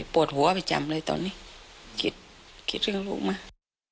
ปวดหัวไปจำเลยตอนนี้คิดเรื่องลูกมาก